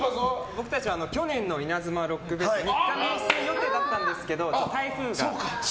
僕たちは去年のイナズマロックフェスに出演予定だったんですけど台風が。